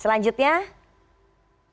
selanjutnya kami bertiga menuju stasiun gampang